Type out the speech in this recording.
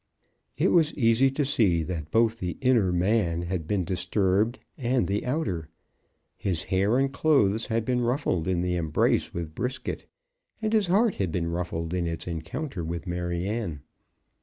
It was easy to see that both the inner man had been disturbed and the outer. His hair and clothes had been ruffled in the embrace with Brisket, and his heart had been ruffled in its encounter with Maryanne.